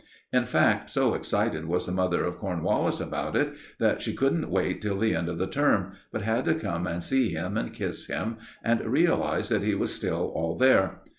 In fact, so excited was the mother of Cornwallis about it that she couldn't wait till the end of the term, but had to come and see him and kiss him, and realize that he was still all there.